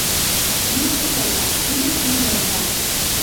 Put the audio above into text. Южшы попат: кидӹш книгӓм пуат